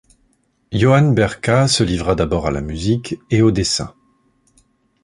Johann Berka se livra d'abord à la musique et au dessin.